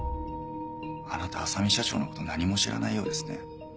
あなた浅海社長のこと何も知らないようですね。